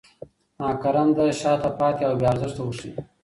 ناکارنده، شاته پاتې او بې ارزښته وښيي.